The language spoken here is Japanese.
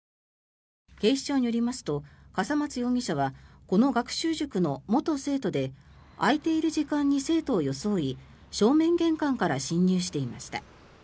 警視庁によりますと笠松容疑者はこの学習塾の元生徒で開いている時間に生徒を装い正面玄関から侵入していました。